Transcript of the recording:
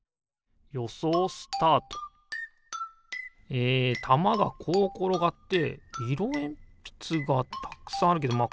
よそうスタート！えたまがこうころがっていろえんぴつがたくさんあるけどま